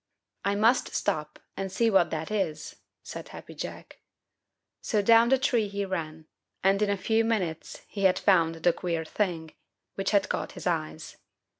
"I must stop and see what that is," said Happy Jack. So down the tree he ran, and in a few minutes he had found the queer thing, which had caught his eyes.